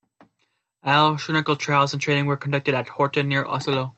All "Schnorkel" trials and training were conducted at Horten near Oslo.